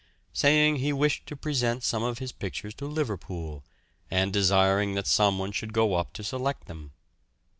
saying he wished to present some of his pictures to Liverpool, and desiring that some one should go up to select them.